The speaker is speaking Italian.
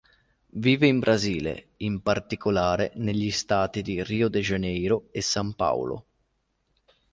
Vive in Brasile in particolare negli stati di Rio de Janeiro e San Paolo.